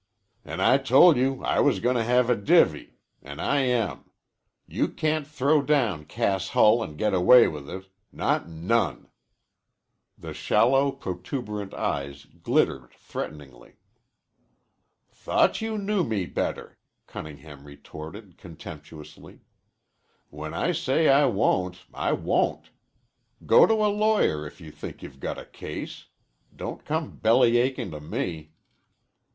"An' I told you I was gonna have a divvy. An' I am. You can't throw down Cass Hull an' get away with it. Not none." The shallow protuberant eyes glittered threateningly. "Thought you knew me better," Cunningham retorted contemptuously. "When I say I won't, I won't. Go to a lawyer if you think you've got a case. Don't come belly aching to me."